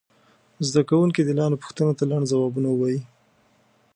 زده کوونکي دې لاندې پوښتنو ته لنډ ځوابونه ووایي.